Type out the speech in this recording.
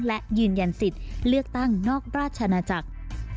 และยืนยันสิทธิ์เลือกตั้งนอกราชนาจักร